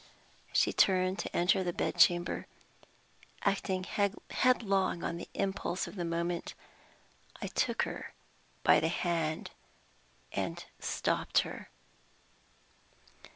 She turned to enter the bed chamber. Acting headlong on the impulse of the moment, I took her by the hand and stopped her.